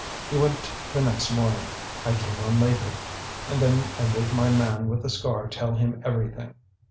He went the next morning. I came on later, and then I made my man with the scar tell him everything.